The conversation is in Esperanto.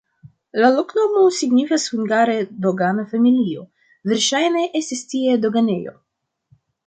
La loknomo signifas hungare "dogana-familio", verŝajne estis tie doganejo.